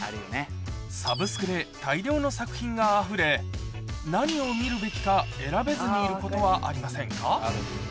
サブスクで大量の作品があふれ、何を見るべきか選べずにいることはありませんか？